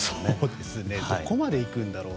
どこまで行くんだろう。